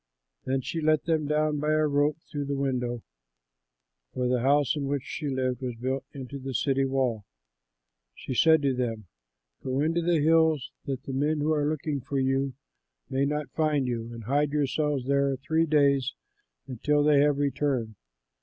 Then she let them down by a rope through the window, for the house in which she lived was built into the city wall. She said to them, "Go into the hills, that the men who are looking for you may not find you, and hide yourselves there three days until they have returned.